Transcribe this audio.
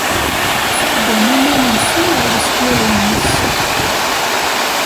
Ttṣubbun iman-nsen ar weswir-ines.